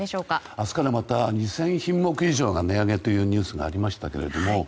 明日から２０００品目以上が値上げというニュースがありましたけれども。